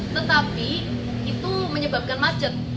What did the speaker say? tetapi itu menyebabkan macet